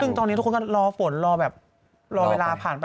คือตอนนี้ทุกคนก็รอฝนรอเวลาผ่านไป